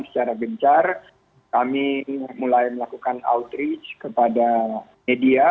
secara gencar kami mulai melakukan outreach kepada media